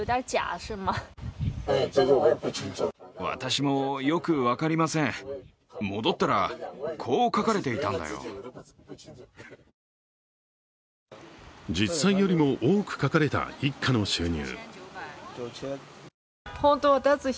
しかし実際よりも多く書かれた一家の収入。